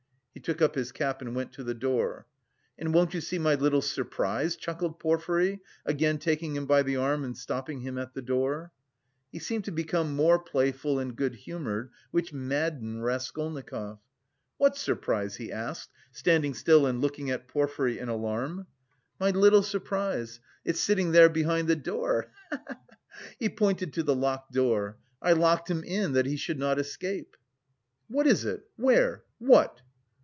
He took up his cap and went to the door. "And won't you see my little surprise?" chuckled Porfiry, again taking him by the arm and stopping him at the door. He seemed to become more playful and good humoured which maddened Raskolnikov. "What surprise?" he asked, standing still and looking at Porfiry in alarm. "My little surprise, it's sitting there behind the door, he he he!" (He pointed to the locked door.) "I locked him in that he should not escape." "What is it? Where? What?..."